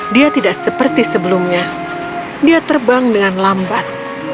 dia tidak seperti sebelumnya dia terbang dengan lambat